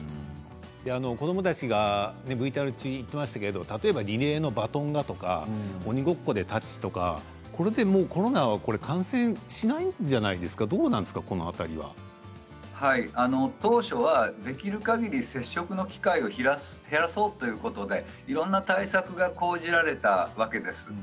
子どもたちＶＴＲ中に言っていましたが例えばリレーのバトンとか鬼ごっこでタッチとかそれでコロナは感染しないんじゃ当初できるかぎり接触の機会を減らそうということでいろんな対策が講じられていたわけです。